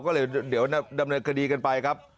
ก็เลยเดี๋ยวดำเนินคดีกันไปครับ